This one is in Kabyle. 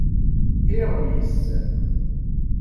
Iɣwis.